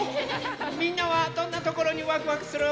みんなはどんなところにワクワクする？